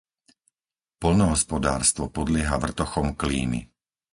Poľnohospodárstvo podlieha vrtochom klímy.